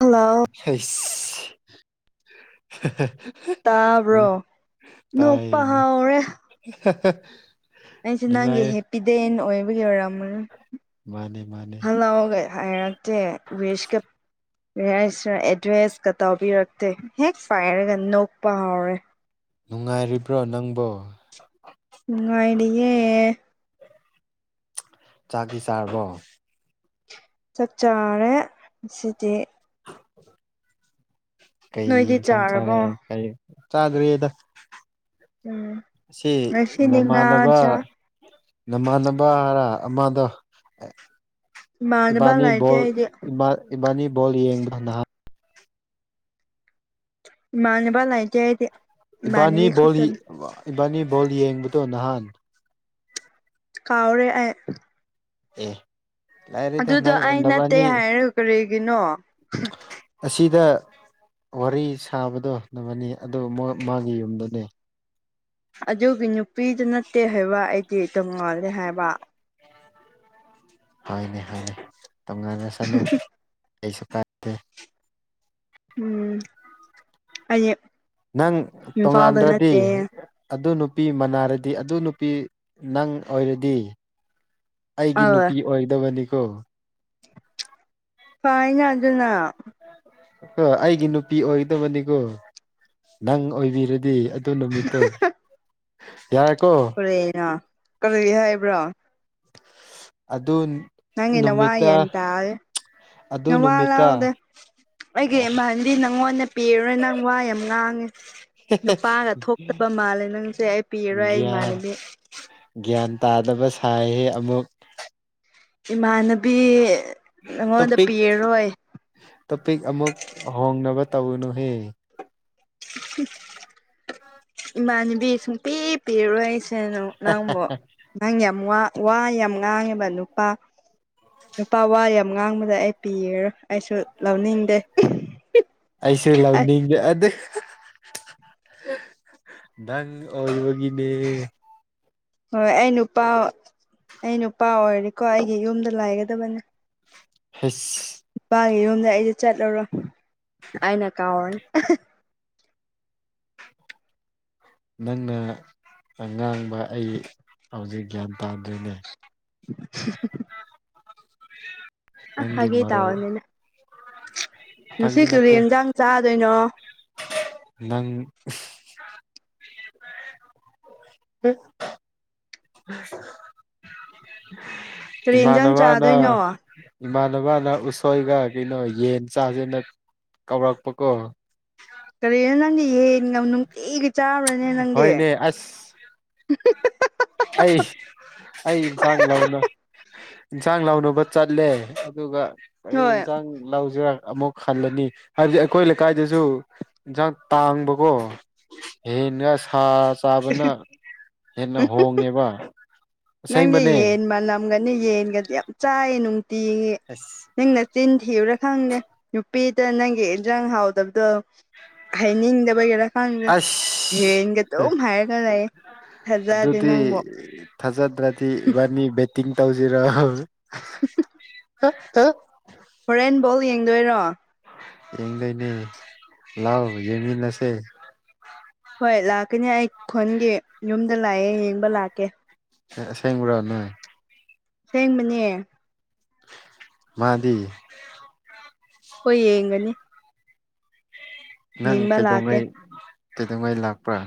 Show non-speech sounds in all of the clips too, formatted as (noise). Hello (unintelligible) INAUDIBLE ꯇꯥꯕ꯭ꯔꯣ ꯅꯣꯛ ꯄ ꯍꯥꯎꯔꯦ INAUDIBLE ꯑꯩꯁꯦ ꯅꯪꯒꯤ ꯍꯦꯞꯄꯤꯗꯦꯟ ꯑꯣꯏꯕꯒꯤ ꯑꯣꯏꯔꯝꯃ ꯃꯥꯅꯦ ꯃꯥꯅꯦ ꯍꯜꯂꯥꯎꯒ UNINTELLIGIBLE ꯁꯔ ꯑꯦꯗ꯭ꯔꯦꯁꯀ ꯇꯥꯎꯕꯤꯔꯛꯇꯦ ꯍꯦꯛ ꯐꯥꯏꯔꯒ ꯅꯣꯛꯄ ꯍꯥꯎꯔꯦ ꯅꯨꯡꯉꯥꯏꯔꯤꯕ꯭ꯔꯣ ꯅꯪꯕꯣ ꯅꯨꯉꯥꯏꯔꯤꯌꯦ ꯆꯥꯛꯇꯤ ꯆꯥꯔꯕꯣ ꯆꯥꯛ ꯆꯔꯦ ꯉꯥꯁꯤꯗꯤ ꯀꯩ ꯅꯣꯏꯗꯤ ꯏꯟꯁꯥꯡ ꯆꯥꯔꯦ ꯆꯥꯔꯕꯣ ꯀꯩ ꯆꯥꯗ꯭ꯔꯤꯗ ꯎꯝ ꯁꯤ ꯉꯁꯤꯗꯤ ꯉꯥ ꯅꯃꯥꯟꯅꯕ ꯆꯥ ꯅꯃꯥꯟꯅꯕ ꯍꯥꯏꯔ ꯑꯃꯗ ꯏꯃꯥꯟꯅꯕ ꯏꯕꯥꯅꯤ ꯂꯩꯇꯦ ꯕꫭꯜ ꯑꯩꯗꯤ ꯏꯕꯥꯅꯤ ꯕꯣꯜ ꯌꯦꯡꯕ ꯅꯍꯥꯟ ꯏꯃꯥꯟꯅꯕ ꯂꯥꯏꯇꯦ ꯑꯩꯗꯤ ꯏꯕꯥꯅꯤ ꯏꯃꯥꯟꯅꯕꯤ ꯕꯣꯜ ꯈꯛꯇꯅꯤ ꯏꯕꯥꯅꯤ ꯕꯣꯜ ꯌꯦꯡꯕꯗꯣ ꯅꯍꯥꯟ ꯀꯥꯎꯔꯦꯑ ꯑ ꯑꯗꯨꯗꯣ ꯑꯩ ꯅꯠꯇꯦ ꯍꯥꯏꯔꯒ ꯀꯔꯤꯒꯤꯅꯣ ꯑꯁꯤꯗ ꯋꯥꯔꯤ ꯁꯥꯕꯗꯣ ꯅꯥꯕꯅꯤ ꯑꯗꯨ ꯃꯥꯒꯤ ꯌꯨꯝꯗꯅꯦ ꯑꯗꯨꯒꯤ ꯅꯨꯄꯤꯗꯨ ꯅꯠꯇꯦ ꯍꯥꯏꯕ ꯑꯩꯗꯤ ꯇꯝꯉꯜꯂꯦ ꯍꯥꯏꯕ ꯍꯣꯏꯅꯦ ꯍꯣꯏꯅꯦ ꯇꯣꯉꯥꯟꯅ ꯆꯅꯨ ꯑꯩꯁꯨ ꯀꯥꯏ ꯎꯝ ꯑꯦ ꯅꯪ ꯇꯣꯉꯥꯟꯗ꯭ꯔꯗꯤ ꯑꯗꯨ ꯅꯨꯄꯤ ꯃꯅꯥꯔꯗꯤ ꯑꯗꯨ ꯅꯨꯄꯤ ꯅꯪ ꯑꯣꯏꯔꯗꯤ ꯑꯩꯒꯤ ꯑꯥ ꯅꯨꯄꯤ ꯑꯣꯏꯗꯕꯅꯤꯀꯣ ꯐꯥꯏꯅ ꯑꯗꯨꯅ ꯑ ꯑꯩꯒꯤ ꯅꯨꯄꯤ ꯑꯣꯏꯒꯗꯕꯅꯤꯀꯣ ꯅꯪ ꯑꯣꯏꯕꯤꯔ ꯗꯤ ꯑꯗꯨ ꯅꯨꯃꯤꯠꯇꯣ ꯌꯥꯔꯦꯀꯣ ꯅ ꯀꯔꯤ ꯍꯥꯏꯕ꯭ꯔꯣ ꯑꯗꯨꯟ ꯅꯪꯒꯤ ꯅꯋꯥ ꯌꯥꯟ ꯇꯥꯔꯦ ꯑꯗꯨ ꯅꯋꯥ ꯅꯨꯃꯤꯠꯇ ꯂꯥꯎꯗꯦ ꯑꯩꯒꯤ ꯏꯃꯥꯟ ꯗꯤ ꯅꯪꯉꯣꯟꯗ ꯄꯤꯔꯔꯣꯏ ꯅꯪ ꯋꯥ ꯌꯥꯝ ꯉꯥꯡꯉꯦ ꯅꯨꯄꯥꯒ ꯊꯣꯛꯇꯕ ꯃꯥꯜꯂꯦ ꯅꯪꯁꯦ ꯑꯩ ꯄꯤꯔꯣꯏ ꯑꯩ ꯒ꯭ꯌꯥꯟ ꯏꯃꯥꯟꯅꯕꯤ ꯒ꯭ꯌꯥꯟ ꯇꯥꯗꯕ ꯁꯥꯏꯍꯦ ꯑꯃꯨꯛ ꯏꯃꯥꯟꯅꯕꯤ ꯅꯪꯉꯣꯟꯗ ꯇꯣꯄꯤꯛ ꯄꯤꯔꯔꯣꯏ ꯇꯣꯄꯤꯛ ꯑꯃꯨꯛ ꯍꯣꯡꯅꯕ ꯇꯧꯅꯨꯍꯦ ꯏꯃꯥꯟꯅꯕꯤ ꯁꯨꯡ ꯄꯤ ꯄꯤꯔꯣꯏ ꯑꯩ ꯀꯩꯅꯣ ꯅꯪꯕꯨ ꯅꯪ ꯌꯥꯝ ꯋꯥ ꯌꯥꯝ ꯉꯥꯡꯉꯦꯕ ꯅꯨꯄꯥ ꯅꯨꯄꯥ ꯋꯥ ꯌꯥꯝ ꯉꯥꯡꯕꯗ ꯑꯩ ꯄꯤꯔꯔꯣꯏ ꯑꯩꯁꯨ ꯂꯧꯅꯤꯡꯗꯦ ꯑꯩꯁꯨ ꯂꯧꯅꯤꯡꯉꯦ ꯑꯗꯨ ꯅꯪ ꯑꯣꯏꯕꯒꯤꯅꯦ ꯍꯣꯏ ꯑꯩ ꯅꯨꯄꯥ ꯑꯩ ꯅꯨꯄꯥ ꯑꯣꯏꯔꯦꯀꯣ ꯑꯩꯒꯤ ꯌꯨꯝꯗ ꯂꯥꯏꯒꯗꯕꯅꯦ ꯍꯩꯁ ꯏꯄꯥꯥꯒꯤ ꯌꯨꯝꯅꯦ ꯑꯩꯗꯤ ꯆꯠꯂꯔꯣꯏ ꯑꯩꯅ ꯀꯥꯎꯔꯅꯤ ꯅꯪꯅ ꯑꯉꯥꯡꯕ ꯑꯩ ꯍꯧꯖꯤꯛ ꯒ꯭ꯌꯥꯟ ꯇꯥꯗꯔ꯭ꯦꯅꯦ (unintelligible) (unintelligible) ꯑ ꯅꯪꯒꯤ ꯐꯥꯒꯤ ꯃꯔꯣꯜ ꯇꯥꯎꯅꯦꯅ ꯉꯁꯤ ꯐꯥꯒꯤ ꯀꯔꯤ ꯅꯠꯇꯦ ꯑꯦꯟꯖꯥꯡ ꯆꯥꯗꯣꯏꯅꯣ ꯅꯪ (unintelligible) (unintelligible) ꯀꯔꯤ ꯌꯦꯟꯖꯥꯡ ꯏꯃꯥꯟꯅꯕꯅ ꯆꯥꯗꯣꯏꯅꯣ ꯏꯃꯥꯟꯅꯕꯅ ꯎꯁꯣꯏꯒ ꯀꯩꯅꯣ ꯌꯦꯟ ꯆꯥꯖꯦꯅ ꯀꯧꯔꯛꯄꯀꯣ ꯀꯔꯤꯔ ꯅꯪꯗꯤ ꯌꯦꯟꯒ ꯅꯨꯡꯇꯤꯒꯤ ꯆꯥꯕ꯭ꯔꯅꯦ ꯅꯪꯗꯤ ꯍꯣꯏꯅꯦ ꯑꯁ ꯑꯩ ꯑꯩ ꯏꯟꯆꯥꯡ ꯂꯧꯅ ꯏꯟꯁꯥꯡ ꯂꯧꯅꯕ ꯆꯠꯂꯦ ꯑꯗꯨꯒ ꯀꯔꯤ ꯍꯣꯏ ꯏꯟꯁꯥꯡ ꯂꯧꯖꯤꯔꯥ ꯑꯃꯨꯛ ꯈꯜꯂꯅꯤ ꯍꯥꯏꯕꯗꯤ ꯑꯩꯈꯣꯏ ꯂꯩꯀꯥꯏꯗꯁꯨ ꯏꯟꯁꯥꯡ ꯇꯥꯡꯕꯀꯣ ꯌꯦꯟꯅꯦ ꯁꯥꯠ ꯆꯥꯕꯅ ꯍꯦꯟꯅ ꯍꯣꯡꯉꯦꯕ ꯅꯪꯒꯤ ꯑꯁꯦꯡꯕꯅꯦ ꯌꯦꯟ ꯃꯅꯝꯒꯅꯤ ꯌꯦꯟꯒꯗꯤ ꯌꯥꯝ ꯆꯥꯏꯌꯦ ꯅꯨꯡꯇꯤꯒꯤ ꯑꯁ ꯅꯪ ꯅꯆꯤꯟ ꯊꯤꯕꯔꯥ ꯈꯪꯗꯦ ꯅꯨꯄꯤꯗ ꯅꯪꯒꯤ ꯏꯟꯖꯥꯡ ꯍꯥꯎꯗꯕꯗꯣ ꯍꯥꯏꯅꯤꯡꯗꯕꯒꯤꯔꯥ ꯈꯪꯗꯦ ꯑꯁ ꯌꯦꯟꯒ ꯑꯗꯨꯝ ꯍꯥꯏꯔꯒ ꯂꯩ ꯊꯥꯖꯗꯦ ꯑꯗꯨꯗꯤ ꯅꯪꯕꯨ ꯊꯥꯖꯗ꯭ꯔꯗꯤ ꯏꯕꯥꯅꯤ ꯕꯦꯠꯇꯤꯡ ꯇꯧꯁꯤꯔꯣ ꯍꯣꯔꯦꯟ ꯕꯣꯜ ꯌꯦꯡꯗꯣꯏꯔꯣ ꯌꯦꯡꯗꯣꯏꯅꯦ ꯂꯥꯎ ꯌꯦꯡꯃꯤꯟꯅꯁꯦ ꯍꯣꯏ ꯂꯥꯛꯀꯅꯤ ꯑꯩ ꯈꯨꯟꯒꯤ ꯌꯨꯝꯗ ꯂꯩꯌꯦ ꯌꯦꯡꯕ ꯂꯥꯛꯀꯦ ꯑꯁꯦꯡꯕ꯭ꯔꯥ ꯅꯣꯏ ꯁꯦꯡꯕꯅꯦ ꯃꯥꯗꯤ ꯍꯣꯏ ꯌꯦꯡꯒꯅꯤ ꯅꯪ ꯌꯦꯡꯕ ꯂꯥꯛꯀꯦ ꯀꯩꯗꯧꯉꯩ ꯀꯩꯗꯧꯉꯩ ꯂꯥꯛꯄ꯭ꯔꯥ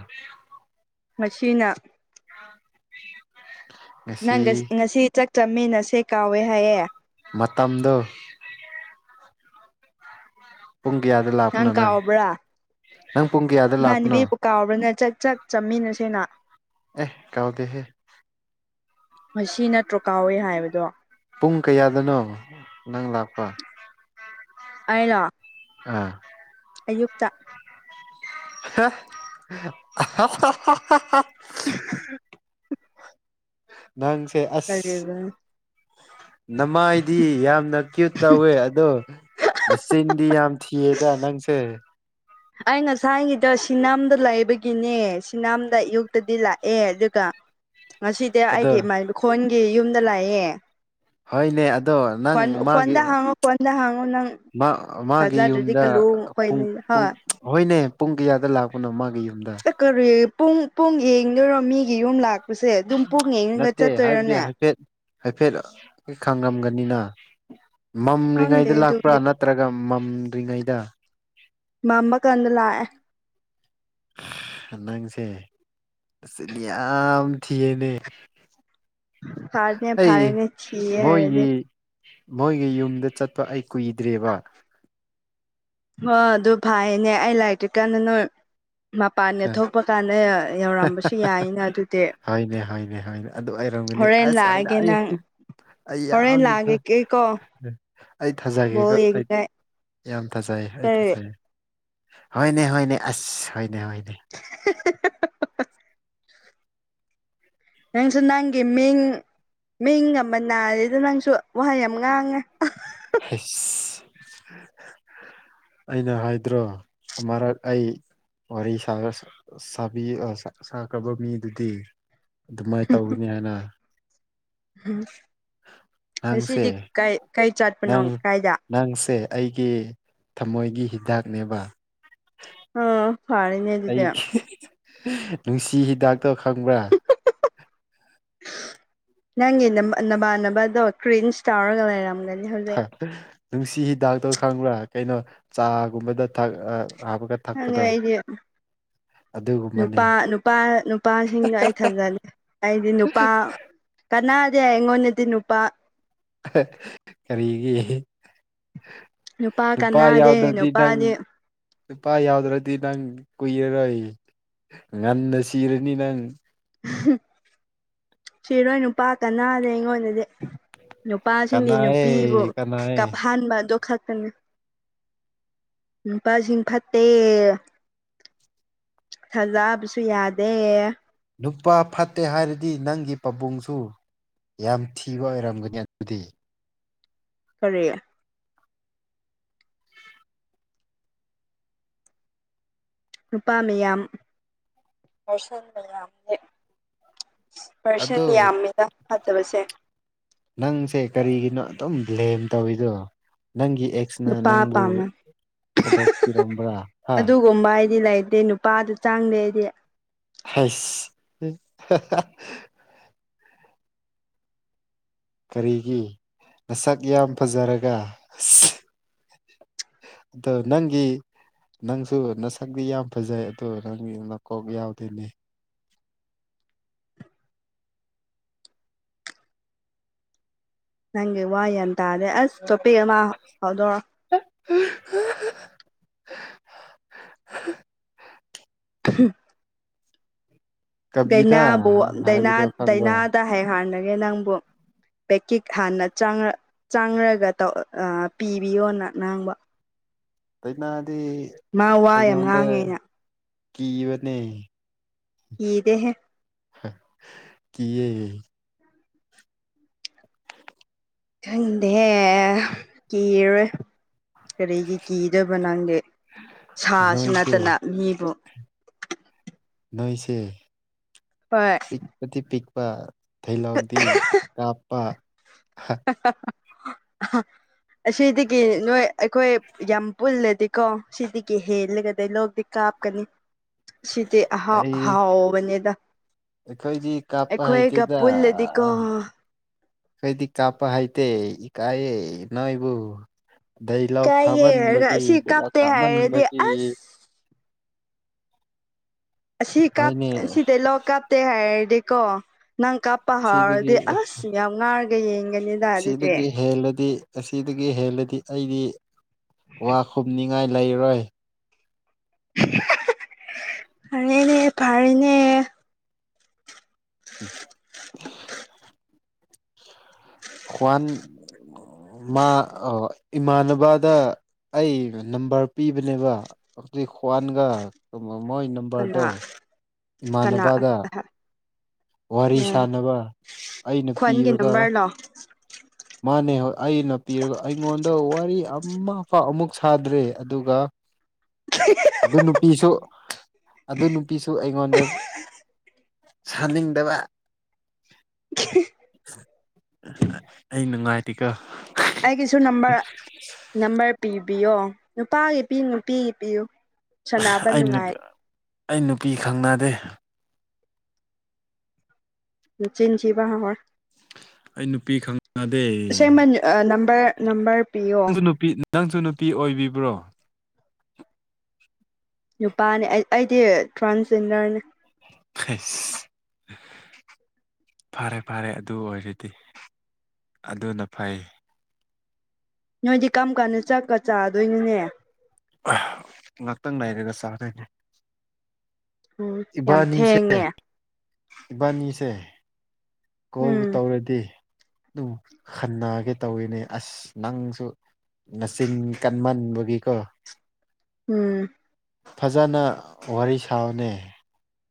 ꯉꯁꯤꯅ (unintelligible) ꯅꯪꯒ ꯉꯁꯤ ꯆꯥꯛ ꯆꯃꯤꯟꯅꯁꯦ ꯀꯥꯎꯋꯦ ꯍꯥꯏꯌꯦ ꯃꯇꯝꯗꫭ ꯄꯨꯡ ꯀꯌꯥꯗ ꯂꯥꯛꯄꯅꯣ ꯅꯪ ꯅꯪ ꯄꯨꯡ ꯀꯌꯥꯗ ꯂꯥꯛꯄꯅꯣ ꯏꯃꯥꯟꯅꯕꯤꯕꯨ ꯀꯥꯎꯕ꯭ꯔꯅ ꯆꯠ ꯆꯥꯛ ꯆꯥꯃꯤꯟꯅꯁꯦꯅ ꯑꯦ ꯀꯥꯎꯗꯦꯍꯦ ꯉꯁꯤ ꯅꯠꯇ꯭ꯔꯣ ꯀꯥꯎꯋꯦ ꯍꯥꯏꯕꯗꯣ ꯄꯨꯡ ꯀꯌꯥꯗꯅꯣ ꯅꯪ ꯂꯥꯛꯄ ꯑꯂ ꯎꯝ ꯑꯌꯨꯛꯇ (unintelligible) ꯅꯪꯁꯦ ꯑꯁ ꯀꯔꯤꯕꯅꯣ ꯅꯃꯥꯏꯗꯤ ꯌꯥꯝꯅ ꯀ꯭ꯌꯨꯠ ꯇꯧꯋꯦ ꯑꯗꯣ ꯅꯆꯤꯟꯗꯤ ꯌꯥꯝ ꯊꯤꯌꯦꯗ ꯅꯪꯁꯦ ꯑꯩ ꯉꯁꯥꯏꯒꯤꯗꯣ ꯁꯤꯅꯥꯝꯗ ꯂꯩꯕꯒꯤꯅꯦ ꯁꯤꯅꯥꯝꯗ ꯑꯌꯨꯛꯇꯗꯤ ꯂꯥꯛꯑꯦ ꯑꯗꯨꯒ ꯉꯁꯤꯗꯤ ꯑꯩꯒꯤ ꯑꯗꯣ ꯏꯃꯥꯈꯣꯟꯒꯤ ꯌꯨꯝꯗ ꯂꯥꯛꯌꯦꯦ ꯍꯣꯏꯅꯦ ꯑꯗꯣ ꯅꯪ ꯃꯥꯒꯤ ꯍꯥꯡꯉꯣ ꯈꯣꯟꯗ ꯍꯥꯡꯉꯣ ꯅꯪ ꯃꯥꯒꯤ ꯊꯥꯖꯗ꯭ꯔꯗꯤ ꯌꯨꯝꯗ ꯀꯜꯂꯨ ꯄꯨꯡ ꯍꯣꯏꯅꯦ ꯄꯨꯡ ꯍꯣꯏ ꯍꯣꯏꯅꯦ ꯄꯨꯡ ꯀꯌꯥꯗ ꯂꯥꯛꯄꯅꯣ ꯃꯥꯒꯤ ꯌꯨꯝꯗ ꯀ ꯄꯨꯡ ꯄꯨꯡ ꯌꯦꯡꯗꯣꯏꯔꯣ ꯃꯤꯒꯤ ꯌꯨꯝ ꯂꯥꯛꯄꯁꯦ ꯑꯗꯨꯝ ꯄꯨꯡ ꯌꯦꯡꯉꯒ ꯅꯠꯇꯦ ꯍꯥꯏꯕꯗꯤ ꯆꯠꯇꯣꯏꯔꯣꯅꯦ ꯍꯥꯏꯐꯦꯠ ꯍꯥꯏꯐꯦꯠ ꯈꯥꯡꯉꯝꯒꯅꯤꯅ ꯈꯪꯗꯦ ꯃꯝꯔꯤꯉꯩꯗ ꯂꯥꯛꯄ꯭ꯔꯥ ꯑꯗꯨꯕꯨꯗꯤ ꯅꯠꯇ ꯅꯠꯇ꯭ꯔꯒ ꯃꯝꯗ꯭ꯔꯤꯉꯩꯗ ꯃꯥꯝꯕ ꯀꯥꯟꯗ ꯂꯥꯛꯑꯦ ꯑ ꯅꯪꯁꯦ ꯅꯁꯛꯇꯤ ꯌꯥꯝ ꯊꯤꯌꯦꯅꯦ ꯐꯥꯔꯅꯤ ꯑꯩ ꯐꯥꯔꯅꯦꯁꯤ ꯍꯥꯏꯔꯗꯤ ꯃꯣꯏꯒꯤ ꯃꯣꯏꯒꯤ ꯌꯨꯝꯗ ꯆꯠꯄ ꯑꯩ ꯀꯨꯏꯗ꯭ꯔꯦꯕ ꯍ ꯑꯗꯨ ꯐꯩꯅꯦ ꯑꯩ ꯂꯥꯏꯔꯤꯛꯇ꯭ꯔꯤ ꯀꯥꯟꯗ ꯅꯣꯏ ꯃꯄꯥꯟꯗ ꯊꯣꯛꯄ ꯀꯥꯟꯗ ꯌꯧꯔꯝꯕꯁꯨ ꯌꯥꯏꯅ ꯑꯗꯨꯗꯤ ꯍꯥꯏꯅꯦ ꯍꯥꯏꯅꯦ ꯍꯥꯏꯅꯤ ꯑꯗꯨ ꯑꯩ ꯔꯝꯒꯅꯤ ꯑ ꯍꯣꯔꯦꯟ ꯁ꯭ꯋꯥꯏꯗ ꯂꯥꯛꯑꯒꯦ ꯑꯩ ꯅꯪ ꯑꯩ ꯍꯣꯔꯦꯟ ꯌꯥꯝ ꯂꯥꯛꯑꯒꯦꯀꯣ ꯑꯩ ꯕꯣꯜ ꯊꯥꯖꯒꯦꯒ ꯑꯩ ꯌꯦꯡꯅꯤꯡꯉꯥꯏ ꯌꯥꯝ ꯊꯥꯖꯩꯌꯦ ꯑꯩ ꯊꯥꯖꯩꯌꯦ ꯍꯣꯏꯅꯦ ꯍꯣꯏꯅꯦ ꯑꯁ ꯍꯣꯏꯅꯦ (inaudible) ꯅꯪꯁꯨ ꯅꯪꯒꯤ ꯃꯤꯡ ꯃꯤꯡ ꯑꯃ ꯅꯥꯔꯦꯗ ꯅꯪꯁꯨ ꯋꯥꯍꯩ ꯌꯥꯝ ꯉꯥꯡꯉꯦ ꯍꯁ ꯑꯩꯅ ꯍꯥꯏꯗ꯭ꯔꯣ ꯑꯃꯔꯛ ꯑꯩ ꯋꯥꯔꯤ ꯁꯥ ꯁꯥꯕꯤ ꯁꯥꯈ꯭ꯔꯕ ꯃꯤꯗꯨꯗꯤ ꯑꯗꯨꯃꯥꯏꯅ ꯇꯧꯒꯅꯤ ꯍꯥꯏꯅ ꯎꯝ ꯉꯁꯤꯗꯤ ꯅꯪꯁꯦ ꯀ ꯀꯩ ꯆꯠꯄꯅꯣ ꯅꯪ ꯀꯥꯏꯗ ꯅꯪꯁꯦ ꯑꯩꯒꯤ ꯊꯃꯣꯏꯒꯤ ꯍꯤꯗꯥꯛꯅꯦꯕ ꯑꯣ ꯐꯔꯦꯅꯦ ꯑꯗꯨꯗꯤ ꯑꯩ ꯅꯨꯡꯁꯤ ꯍꯤꯗꯥꯛꯇꯣ ꯈꯪꯕ꯭ꯔꯥ ꯅꯪꯒꯤ ꯅ ꯅꯕꯥꯥꯟꯅꯕꯗꯣ ꯀ꯭ꯔꯤꯟ ꯇꯧꯔꯒ ꯂꯩꯔꯝꯒꯅꯤ ꯍꯧꯖꯤꯛ ꯅꯨꯡꯁꯤ ꯍꯤꯗꯥꯛꯇꯣ ꯈꯪꯕ꯭ꯔꯥ ꯀꯩꯅꯣ ꯆꯥꯒꯨꯝꯕꯗ ꯊꯥꯛ ꯍꯥꯞꯄꯒ ꯈꯪꯉꯦ ꯊꯛꯄꯗꯣ ꯑꯩꯗꯤ ꯑꯗꯨꯒꯨꯝꯕꯅꯦ ꯅꯨꯄꯥ ꯅꯨꯄꯥ ꯅꯨꯄꯥꯁꯤꯡꯗꯣ ꯑꯩ ꯊꯥꯖꯂꯦ ꯑꯩꯗꯤ ꯅꯨꯄꯥ ꯀꯅꯥꯗꯦ ꯑꯩꯉꯣꯟꯗꯗꯤ ꯅꯨꯄꯥ ꯀꯔꯤꯒꯤ ꯅꯨꯄꯥ ꯔꯗꯨꯄꯥꯥꯏ ꯀꯅꯥꯗꯦ ꯌꯥꯎꯗꯗꯤ ꯅꯪ ꯅꯨꯄꯥꯗꯤ ꯅꯨꯨꯄꯥ ꯌꯥꯎꯗ꯭ꯔꯗꯤ ꯅꯪ ꯀꯨꯏꯔꯔꯣꯏ ꯉꯟꯅ ꯁꯤꯔꯅꯤ ꯅꯪ ꯁꯤꯔꯣꯏ ꯅꯨꯄꯥ ꯀꯅꯥꯗ ꯑꯩꯉꯣꯟꯗꯗꯤ ꯅꯨꯄꯥꯁꯤꯡꯗꯤ ꯅꯨꯄꯤꯕꯨ ꯀꯅꯥꯑꯦ ꯀꯅꯥꯑꯦ ꯀꯞꯍꯟꯕ ꯑꯗꯨ ꯈꯛꯇꯅꯤ ꯅꯨꯄꯥꯁꯤ ꯐꯠꯇꯦ ꯊꯖꯕꯁꯨ ꯌꯥꯗꯦ ꯅꯨꯄꯥ ꯐꯠꯇꯦ ꯍꯥꯏꯔꯗꯤ ꯅꯪꯒꯤ ꯄꯥꯕꯨꯡꯁꯨ ꯌꯥꯝ ꯊꯤꯕ ꯑꯣꯏꯔꯝꯒꯅꯤ ꯑꯗꯨꯗꯤ ꯐꯔꯦ ꯅꯨꯄꯥ ꯃꯌꯥꯝꯁ ꯃꯌꯥꯝ ꯄꯔꯁꯟ ꯑꯗꯣ ꯌꯥꯝꯃꯦꯗ ꯐꯠꯇꯕꯁꯦ ꯅꯪꯁꯦ ꯀꯔꯤꯒꯤꯅꯣ ꯑꯗꯨꯝ ꯕ꯭ꯂꯦꯝ ꯇꯧꯏꯗꯣ ꯅꯪꯒꯤ ꯑꯦꯛꯁꯅ ꯅꯨꯄꯥ ꯅꯪꯕꯨ ꯄꯥꯝꯃꯦ ꯊꯥꯗꯣꯛꯄꯤꯔꯝꯕ꯭ꯔꯥ ꯍꯥ ꯀꯨꯝꯕ ꯍꯥꯏꯗꯤ ꯂꯩꯇꯦ ꯅꯨꯄꯥꯗꯨ ꯆꯥꯡꯗꯦ ꯍꯥꯏꯗꯤ ꯍꯁ ꯀꯔꯤꯒꯤ ꯃꯁꯛ ꯌꯥꯝ ꯐꯖꯔꯒ ꯑ ꯑꯗꯣ ꯅꯪꯒꯤ ꯅꯪꯁꯨ ꯅꯁꯛꯇꯛꯇꯤ ꯌꯥꯝ ꯐꯖꯩ ꯑꯗꯨ ꯅꯪꯒꯤ ꯃꯀꯣꯛ ꯌꯥꯎꯗꯅꯦ ꯅꯪꯒꯤ ꯋꯥ ꯌꯥꯟ ꯇꯥꯗꯦ ꯑꯁ ꯇꯣꯄꯤꯛ ꯑꯃ ꯐꯥꯎꯗꯣꯔꯣ (unintelligible) (unintelligible) ꯀꯕꯤꯗ ꯗꯥꯏꯅꯥꯕꯨ ꯍꯥꯏꯕꯗꯣ ꯈꯪꯕ꯭ꯔꯥ ꯗꯥꯏꯅꯥꯗ ꯍꯥꯏꯍꯜꯂꯒꯦ ꯅꯪꯕꯨ ꯄꯦꯛꯀꯤꯛ ꯍꯥꯟꯅ ꯆꯥꯡꯅ ꯆꯥꯡꯔꯒ ꯇ ꯄꯤꯕꯤꯌꯣ ꯅ ꯅꯥꯡꯕ ꯇꯥꯏꯅꯥꯗꯤ ꯃꯥ ꯋꯥ ꯌꯥꯝ ꯑꯩꯉꯣꯟꯗ ꯉꯥꯡꯉꯦꯅ ꯀꯤꯕꯅꯦ ꯀꯤꯗꯦꯍꯦ ꯀ (inaudible) ꯈꯪꯗꯦ ꯀꯤꯔꯣꯏ ꯀꯔꯤꯒꯤ ꯀꯤꯗꯕ ꯅꯪꯒꯤꯦ ꯁꯥꯁꯨ ꯅꯠꯇꯅ ꯃꯤꯕꯨ ꯅꯣꯏꯁꯤ ꯄ ꯄꯤꯛꯄꯗꯤ ꯄꯤꯛꯄ ꯊꯩꯍꯧꯗꯤ ꯀꯥꯞꯄ (inaudible) ꯑꯁꯤꯗꯒꯤ ꯅꯣꯏ ꯑꯩꯈꯣꯏ ꯌꯥꯝ ꯄꯨꯜꯂꯗꯤꯀꯣ ꯁꯤꯗꯒꯤ ꯍꯦꯜꯂꯒꯗꯤ ꯂꯧꯕꯤ ꯀꯥꯞꯀꯅꯤ ꯁꯤꯗꯤ ꯑꯍꯥꯎ ꯑꯩ ꯑꯍꯥꯎꯕꯅꯦꯗ ꯑꯩꯈꯣꯏꯗꯤ ꯀꯥꯞꯄ ꯍꯩꯇꯦꯗ ꯄꯨꯜꯂꯗꯤꯀꯣ ꯀꯩꯗꯤ ꯆꯥꯄ ꯍꯥꯏꯥꯏꯇꯦ ꯏ ꯀꯑꯦ ꯅ ꯏꯕꯨꯣ ꯗꯩꯂꯥꯎ ꯀꯥꯏꯌꯦ ꯍꯥꯏꯔꯒ ꯐꯥꯝꯃꯟꯕꯒꯤ ꯑꯁꯤ ꯂꯩꯂꯥꯎ ꯀꯥꯞꯇꯦ ꯍꯥꯏꯔꯗꯤ ꯀꯥꯝꯃꯟꯕꯒꯤ ꯑꯁ ꯑꯁꯤ ꯍꯣꯏꯅꯦ ꯁꯤꯗꯩ ꯂꯡ ꯀꯥꯞꯇꯦ ꯍꯥꯏꯔꯗꯤꯀꯣ ꯅꯪ ꯀꯥꯞ ꯄꯍꯥꯔꯗꯤ ꯁꯤꯗꯒꯤ ꯑꯁ ꯌꯥꯝ ꯉꯥꯔꯒ ꯌꯦꯡꯒꯅꯤ ꯑꯁꯤꯗꯒꯤ ꯍꯦꯜꯂꯗꯤ ꯑꯁꯤꯗꯒꯤ ꯍꯦꯜꯂꯗꯤ ꯑꯩꯗꯤ ꯋꯥ ꯈꯨꯝꯅꯤꯡ ꯉꯥꯏ ꯂꯩꯔꯣꯏ ꯑꯔꯦꯅꯦ ꯐꯔꯅꯦ ꯎꯝ ꯍꯟ ꯃꯥ ꯑ ꯏꯃꯥꯟꯅꯕꯗ ꯑꯩ ꯅꯝꯕꯔ ꯄꯤꯕꯅꯦꯕ ꯑꯗꯨꯛ ꯈ꯭ꯋꯥꯟꯒ ꯃꯣꯏ ꯅꯝꯕꯔꯗꯣ ꯁꯅꯥ ꯏꯃꯥꯟꯅꯕꯗ ꯑ ꯋꯥꯔꯤ ꯁꯥꯟꯅꯕ ꯑꯩꯅ ꯄꯤꯔꯒ (inaudible) ꯃꯥꯅꯦ ꯑꯩꯅ ꯄꯤꯔꯒ ꯑꯩꯉꯣꯟꯗ ꯋꯥꯔꯤ ꯑꯃꯐ ꯑꯃꯨꯛ ꯁꯥꯗ꯭ꯔꯦ ꯑꯗꯨꯒ ꯑꯗꯨ ꯅꯨꯄꯤꯁꯨ ꯑꯗꯨ ꯅꯨꯄꯤꯁꯨ ꯑꯩꯉꯣꯟꯗ ꯁꯥꯅꯤꯡꯗꯕ ꯑꯩ ꯅꯨꯡꯉꯥꯏꯇꯔ ꯇꯀꯥ ꯑꯩꯒꯤꯁꯨ ꯅꯝꯕꯔ ꯅꯝꯕꯔ ꯄꯤꯕꯤꯌꯣ ꯅꯨꯄꯥꯒꯤ ꯄꯤꯨ ꯅꯨꯄꯤꯒꯤ ꯄꯤꯌꯨ ꯁꯥꯟꯅꯕ ꯑꯩ ꯅꯨꯡꯉꯥꯏ ꯑꯩ ꯅꯨꯄꯤ ꯈꯪꯅꯗꯦ ꯅꯆꯤꯟ ꯊꯤꯕ (unintelligible) ꯑꯩ ꯅꯨꯄꯤ ꯈꯪꯅꯗꯦ ꯑꯁꯦꯡꯕ ꯅꯝꯕꯔ ꯅꯝꯕꯔ ꯄꯤꯌꯣ꯫ ꯅꯪꯁꯨ ꯅꯨꯄꯤ ꯅꯪꯁꯨ ꯅꯨꯄꯤ ꯑꯣꯏꯕꯤꯕ꯭ꯔꯣ? ꯅꯨꯄꯥꯅꯦ ꯑꯩ ꯑꯩꯗꯤ ꯇ꯭ꯔꯥꯟꯖꯦꯟꯗꯔꯅꯤ꯫ (unintelligible) ꯐꯔꯦ- ꯐꯔꯦ ꯑꯗꯨ ꯑꯣꯏꯔꯗꯤ ꯑꯗꯨꯅ ꯐꯩ꯫ ꯅꯣꯏꯗꯤ ꯀꯔꯝ ꯀꯥꯟꯗ ꯆꯥꯛꯀ ꯆꯥꯗꯣꯏꯅꯣꯅꯦ? ꯉꯥꯛꯇꯪ ꯂꯩꯔꯒ ꯆꯥꯗꯣꯏꯅꯤ ꯎꯝ ꯌꯥꯝ ꯏꯕꯥꯅꯤꯁꯦ ꯊꯦꯡꯉꯦ ꯏꯕꯥꯅꯤꯁꯦ ꯀꯣꯜꯕꯨ ꯎꯝ ꯇꯧꯔꯗꯤ ꯑꯗꯨꯝ ꯈꯟꯅꯒꯦ ꯇꯧꯋꯤꯅꯦ ꯑꯁ ꯅꯪꯁꯨ ꯃꯆꯤꯟ ꯀꯟꯃꯟꯕꯒꯤꯀꯣ ꯎꯝ ꯐꯖꯅ ꯋꯥꯔꯤ ꯁꯥꯕꯅꯦ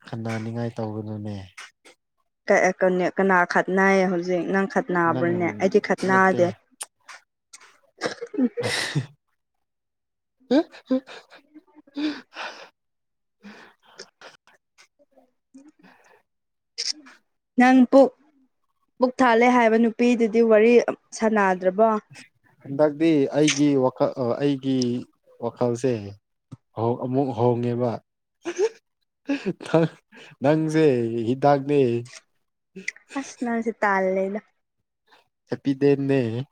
ꯈꯟꯅꯟꯅꯅꯤꯡꯉꯥꯏ ꯇꯧꯕꯗꯨꯅꯦ ꯀꯅꯥ ꯈꯠꯅꯩ ꯍꯧꯖꯤꯛ ꯅꯪ ꯅꯪ ꯅꯥꯕ꯭ꯔꯅꯦ ꯑꯩꯗꯤ ꯈ ꯅꯠꯇꯦ ꯅꯥꯗꯦ (unintelligible) ꯅꯪ ꯄꯨ ꯃꯕꯨꯛ ꯊꯥꯜꯂꯦ ꯍꯥꯏꯕ ꯅꯨꯄꯤꯗꯨꯗꯤ ꯋꯥꯔꯤ ꯁꯥꯥꯟꯅꯗ꯭ꯔꯕꯣ? ꯍꯟꯗꯛꯇꯤ ꯑꯩꯒꯤ ꯋꯥꯈꯜ ꯑꯩꯒꯤ ꯋꯥꯈꯜꯁꯦ ꯑꯃꯨꯛ ꯍꯣꯡꯉꯦꯕ ꯅꯪꯁꯦ ꯍꯤꯗꯥꯛꯅꯦ ꯑꯁ ꯅꯪꯁꯦ ꯇꯜꯂꯦꯗꯥ! ꯍꯦꯄꯤꯗꯦꯟꯠꯅꯦ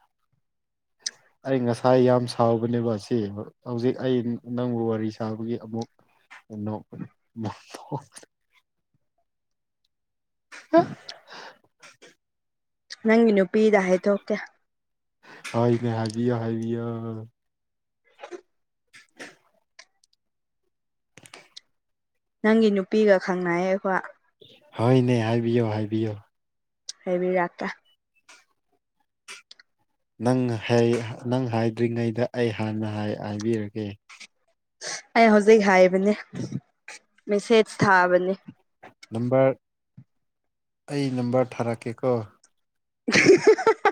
ꯑꯩ ꯉꯁꯥꯏ ꯌꯥꯝ ꯁꯥꯎꯕꯅꯦꯕꯥ ꯑꯁꯦ ꯍꯧꯖꯤꯛ ꯑꯩ ꯅꯪꯕꯨ ꯋꯥꯔꯤ ꯁꯥꯕꯒꯤ ꯑꯃꯨꯛ (unintelligible) (unintelligible) ꯅꯪꯒꯤ ꯅꯨꯄꯤꯗ ꯍꯥꯏꯗꯣꯛꯀꯦ ꯍꯣꯏꯅꯦ ꯍꯥꯏꯕꯤꯌꯣ - ꯍꯥꯏꯕꯤꯌꯣ꯫ ꯅꯪꯒꯤ ꯅꯨꯄꯤꯒ ꯈꯪꯅꯩꯌꯦ ꯑꯈꯣꯏ꯫ ꯍꯣꯏꯅꯦ ꯍꯥꯏꯕꯤꯌꯣ - ꯍꯥꯏꯕꯤꯌꯣ꯫ ꯍꯥꯏꯕꯤꯔꯛꯀꯦ ꯅꯪꯅ ꯍꯥꯏ ꯅꯪꯅ ꯍꯥꯏꯗ꯭ꯔꯤꯉꯩꯗ ꯑꯩ ꯍꯥꯟꯅ ꯍꯥꯏ ꯍꯥꯏꯕꯤꯔꯒꯦ꯫ ꯑꯩ ꯍꯧꯖꯤꯛ ꯍꯥꯏꯕꯅꯦ ꯃꯦꯁꯦꯖ ꯊꯥꯕꯅꯦ꯫ ꯅꯝꯕꯔ ꯑꯩ ꯅꯝꯕꯔ ꯊꯥꯔꯛꯀꯦ ꯀꯣ꯫ (unintelligible)